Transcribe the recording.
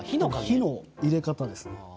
火の入れ方ですね。